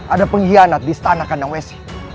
ada pengkhianat di istana kandang wesi